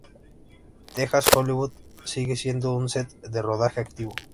Texas Hollywood sigue siendo un set de rodaje activo.